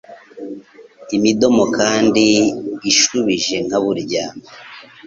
Imidomo kandi ishubije nka burya